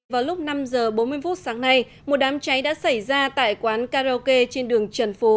vào lúc năm h bốn mươi phút sáng nay một đám cháy đã xảy ra tại quán karaoke trên đường trần phú